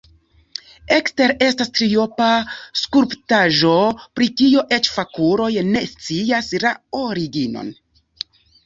Ekstere estas triopa skulptaĵo, pri kio eĉ fakuloj ne scias la originon.